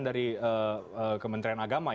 dari kementerian agama